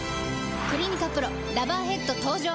「クリニカＰＲＯラバーヘッド」登場！